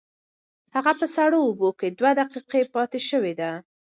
هغه په سړو اوبو کې دوه دقیقې پاتې شوې ده.